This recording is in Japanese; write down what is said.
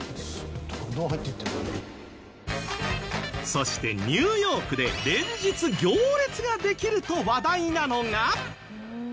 そしてニューヨークで連日行列ができると話題なのが。